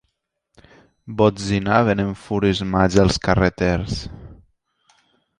...botzinaven enfurismats els carreters.